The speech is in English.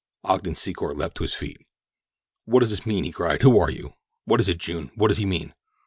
Ogden Secor leaped to his feet. "What does this mean?" he cried. "Who are you? What is it, June? What does he mean?"